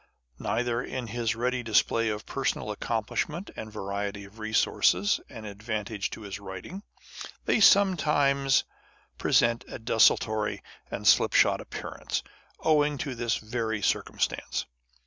Neither is his ready display of personal accomplishment and variety of resources an advantage to his writings. They sometimes present a desultory and slipshod appearance, owing to this very circumstance.